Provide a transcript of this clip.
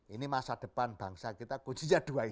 ini masa depan bangsa kita kuncinya dua ini